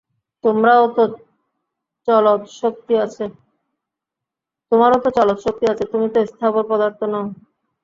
তোমারও তো চলৎশক্তি আছে, তুমি তো স্থাবর পদার্থ নও।